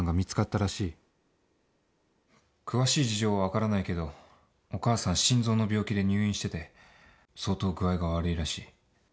詳しい事情は分からないけどお母さん心臓の病気で入院してて相当具合が悪いらしい。